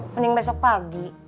mending besok pagi